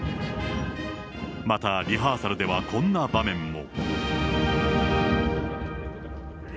またリハーサルではこんな場面も。